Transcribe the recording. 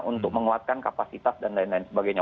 untuk menguatkan kapasitas dan lain lain sebagainya